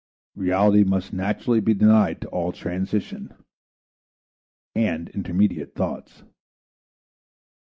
Reality must naturally be denied to all transition and intermediate thoughts.